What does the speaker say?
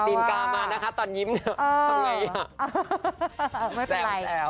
แต่ตีนกามานะคะตอนยิ้มเนี่ยต้องไงอ่ะ